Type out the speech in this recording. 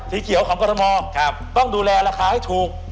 สีเขียวของกรทมต้องดูแลราคาให้ถูก